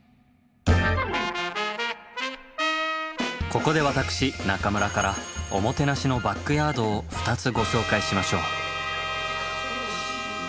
ここで私中村からおもてなしのバックヤードを２つご紹介しましょう。